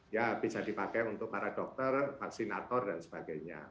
ya bisa dipakai untuk para dokter vaksinator dan sebagainya